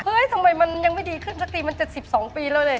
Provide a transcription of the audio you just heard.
เฮ้ยทำไมมันยังไม่ดีขึ้นสักทีมันจะ๑๒ปีแล้วเลย